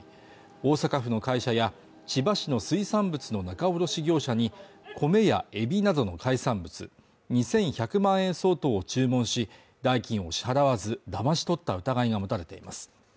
大阪府の会社や千葉市の水産物の仲卸業者に米やエビなどの海産物２１００万円相当を注文し代金を支払わずだまし取った疑いが持たれています